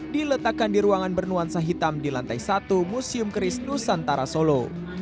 diletakkan di ruangan bernuansa hitam di lantai satu museum keris nusantara solo